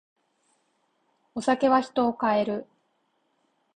お酒は人を変える。